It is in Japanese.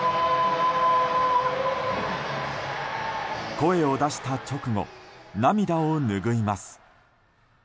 声を出した直後涙をぬぐいます。